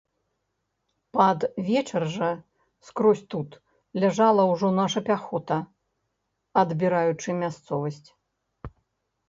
Пад вечар жа, скрозь тут, ляжала ўжо наша пяхота, адбіраючы мясцовасць.